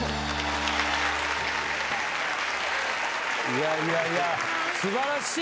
いやいやいや素晴らしい。